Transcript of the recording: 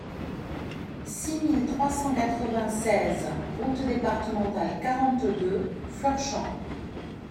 six mille trois cent quatre-vingt-seize route Départementale quarante-deux Fleurchamp